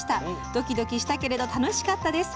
ドキドキしたけれども楽しかったです。